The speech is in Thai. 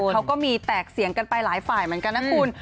เขาก็มีแตกเสียงกันไปหลายฝ่ายเหมือนกันนะคุณ